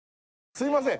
すいません